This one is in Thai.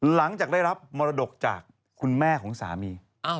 หลังจากได้รับมรดกจากคุณแม่ของสามี